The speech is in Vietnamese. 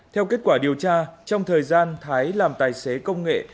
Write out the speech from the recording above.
theo kết quả điều tra trong thời gian thái làm tài xế công nghệ